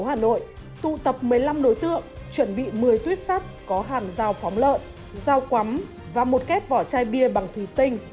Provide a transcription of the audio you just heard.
học một mươi năm đối tượng chuẩn bị một mươi tuyếp sắt có hàn rào phóng lợn rào quắm và một kép vỏ chai bia bằng thủy tinh